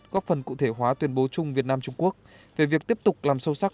góp phần cụ thể hóa tuyên bố chung việt nam trung quốc về việc tiếp tục làm sâu sắc